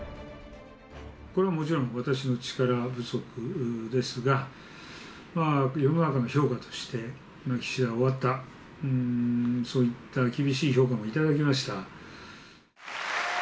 これはもちろん、私の力不足ですが、まあ世の中の評価として岸田は終わった、そういった厳しい評価もいただきました。